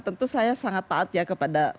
tentu saya sangat taat ya kepada